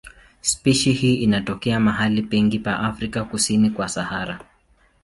Spishi hii inatokea mahali pengi pa Afrika kusini kwa Sahara.